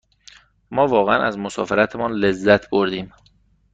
ما واقعاً از مسافرتمان لذت بردیم.